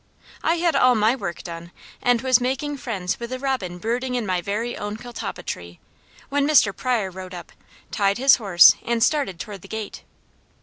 I had all my work done, and was making friends with a robin brooding in my very own catalpa tree, when Mr. Pryor rode up, tied his horse, and started toward the gate.